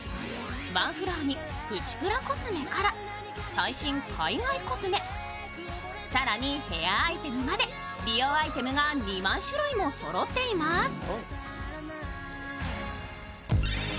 ワンフロアにプチプラコスメから最新海外コスメ、更にヘアアイテムまで美容アイテムが２万種類もそろっています。